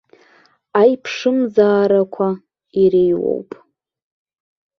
Аиԥшымзаарақәа иреиуоуп.